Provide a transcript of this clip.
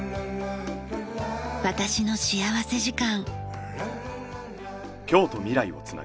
『私の幸福時間』。